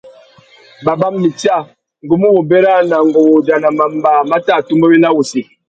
Baba, mitsa, ngu mù wô bérana ngu wô udjana mamba mà tà atumbéwena wussi.